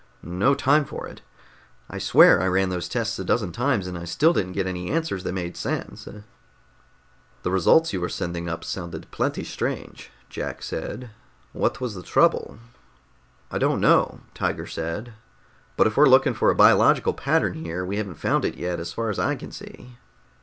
"No time for it. I swear I ran those tests a dozen times and I still didn't get any answers that made sense." "The results you were sending up sounded plenty strange," Jack said. "What was the trouble?" "I don't know," Tiger said, "but if we're looking for a biological pattern here, we haven't found it yet as far as I can see."